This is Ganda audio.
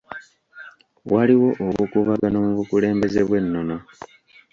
Waliwo obukuubagano mu bukulembeze bw'ennono.